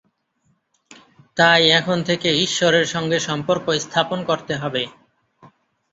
তাই এখন থেকে ঈশ্বরের সঙ্গে সম্পর্ক স্থাপন করতে হবে।